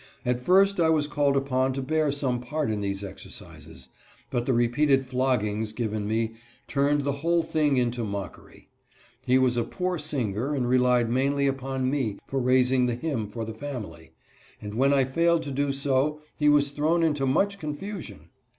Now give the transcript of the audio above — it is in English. At first I was called upon to bear some part in these exercises ; but the repeated floggings given me turned the whole thing into mockery. He was a poor singer and relied mainly upon me for raising the hymn for the family, and when I failed to do so he was thrown into much confusion.